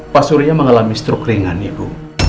pak surya mengalami struk ringan ibu